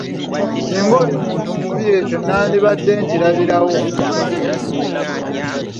Singa oli muntu mubi ekyo nnaalibadde nkirabirawo.